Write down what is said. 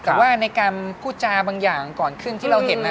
แต่ว่าในการพูดจาบางอย่างก่อนขึ้นที่เราเห็น